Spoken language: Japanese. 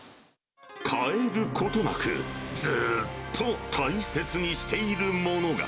変えることなく、ずっと大切にしているものが。